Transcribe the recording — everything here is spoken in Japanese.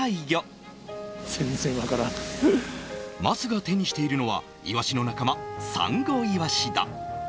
桝が手にしているのは、イワシの仲間、サンゴイワシだ。